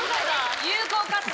有効活用。